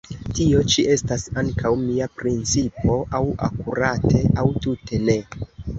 Tio ĉi estas ankaŭ mia principo; aŭ akurate, aŭ tute ne!